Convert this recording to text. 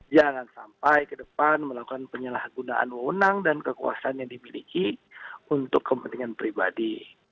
jangan sampai ke depan melakukan penyalahgunaan wewenang dan kekuasaan yang dimiliki untuk kepentingan pribadi